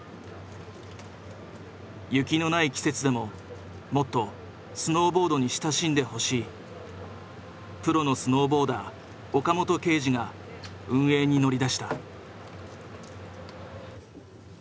雪のない季節でももっとスノーボードに親しんでほしいプロのスノーボーダー岡本圭司が運営に乗り出した。